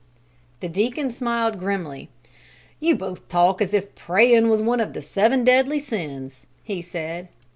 The Deacon smiled grimly. "You both talk as if prayin' was one of the seven deadly sins," he said.